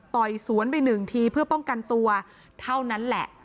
ยสวนไปหนึ่งทีเพื่อป้องกันตัวเท่านั้นแหละ